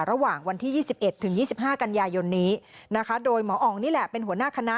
ระหว่างวันที่๒๑ถึง๒๕กันยายนนี้นะคะโดยหมออองนี่แหละเป็นหัวหน้าคณะ